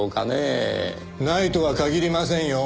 ないとは限りませんよ。